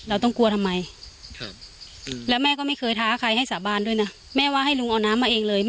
อันนี้พ่อไม่กลัวถ้าลุงกลัวก็ให้ลุงหาน้ำมาเองเลย